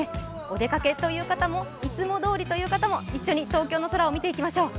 お出かけという方もいつもどおりという方も一緒に東京の空を見ていきましょう。